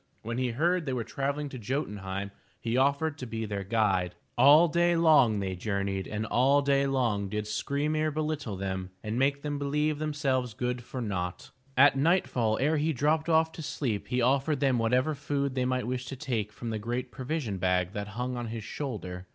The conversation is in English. When he heard they were travelling to Jo'tun heim he offered to be their guide. All day long they journeyed and all day long 438 THE TREASURE CHEST did Skry 'mir belittle them and make them believe themselves good for naught. At nightfall, ere he dropped off to sleep, he offered them whatever food they might wish to take from the great provision bag that hung on his shoulder.